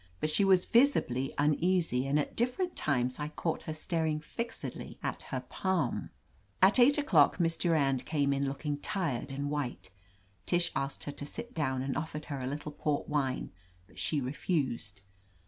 But she was visibly uneasy and at different times I caught her staring fixedly at her palm. At eight o'clock Miss Durand came in look ing tired and white, Tish asked her to sit down and offered her a little port wine, but she refused.